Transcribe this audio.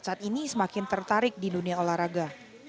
yang cacat ini semakin tertarik di dunia olahraga